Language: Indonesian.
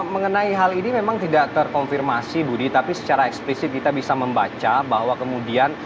mengenai hal ini memang tidak terkonfirmasi budi tapi secara eksplisit kita bisa membaca bahwa kemudian